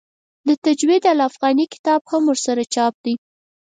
د تجوید الافغاني کتاب هم ورسره چاپ دی.